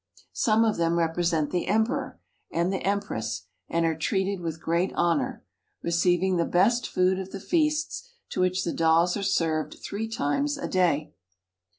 Some of them represent the Emperor and the Empress, and are treated with' great honor, receiving the best food of the feasts, to which the dolls are served three times a day.